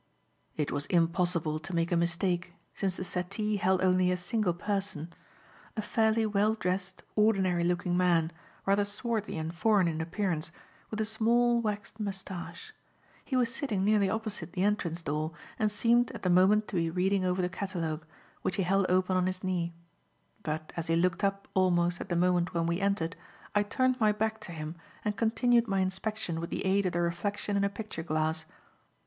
It was impossible to make a mistake since the settee held only a single person; a fairly well dressed, ordinary looking man, rather swarthy and foreign in appearance, with a small waxed moustache. He was sitting nearly opposite the entrance door and seemed, at the moment to be reading over the catalogue, which he held open on his knee; but, as he looked up almost at the moment when we entered, I turned my back to him and continued my inspection with the aid of the reflection in a picture glass.